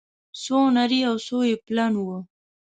څو نري او څو يې پلن وه